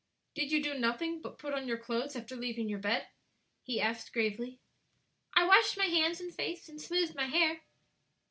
"Did you do nothing but put on your clothes after leaving your bed?" he asked, gravely. "I washed my hands and face and smoothed my hair."